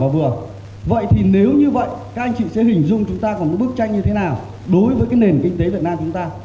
vậy thì nếu như vậy các anh chị sẽ hình dung chúng ta còn một bức tranh như thế nào đối với cái nền kinh tế việt nam chúng ta